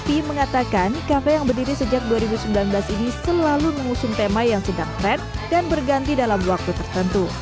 fee mengatakan kafe yang berdiri sejak dua ribu sembilan belas ini selalu mengusung tema yang sedang trend dan berganti dalam waktu tertentu